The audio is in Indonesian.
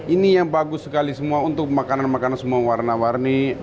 ini yang bagus sekali semua untuk makanan makanan semua warna warni